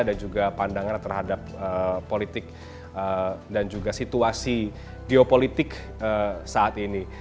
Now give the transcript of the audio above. dan juga pandangan terhadap politik dan juga situasi geopolitik saat ini